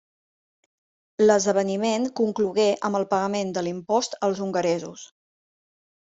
L'esdeveniment conclogué amb el pagament de l'impost als hongaresos.